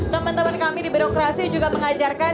teman teman kami di birokrasi juga mengajarkan